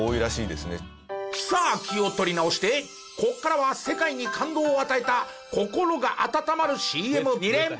さあ気を取り直してここからは世界に感動を与えた心が温まるＣＭ２連発！